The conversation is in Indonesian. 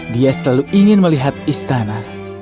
dia selalu ingin melihat istana